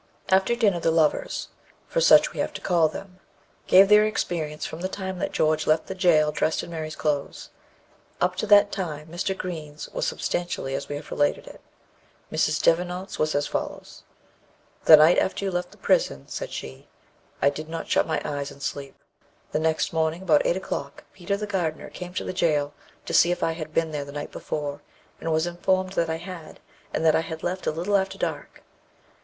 After dinner the lovers (for such we have to call them) gave their experience from the time that George left the jail dressed in Mary's clothes. Up to that time Mr. Green's was substantially as we have related it. Mrs. Devenant's was as follows: "The night after you left the prison," said she, "I did not shut my eyes in sleep. The next morning, about eight o'clock, Peter the gardener came to the jail to see if I had been there the night before, and was informed that I had, and that I had left a little after dark.